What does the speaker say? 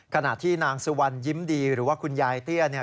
คณะที่นางซุวัลอ์ยิ้มดีหรือว่าคุณยายเตี้ย